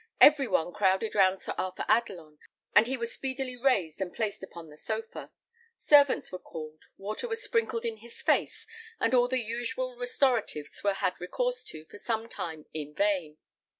Every one crowded round Sir Arthur Adelon, and he was speedily raised and placed upon the sofa. Servants were called, water was sprinkled in his face, and all the usual restoratives were had recourse to for some time in vain.